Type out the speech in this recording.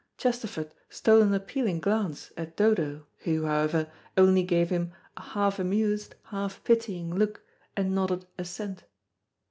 Chesterford stole an appealing glance, at Dodo, who, however, only gave him a half amused, half pitying look, and nodded assent.